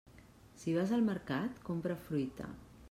Si vas al mercat, compra fruita.